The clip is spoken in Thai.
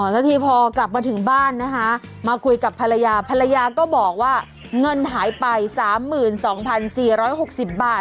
สักทีพอกลับมาถึงบ้านนะคะมาคุยกับภรรยาภรรยาก็บอกว่าเงินหายไป๓๒๔๖๐บาท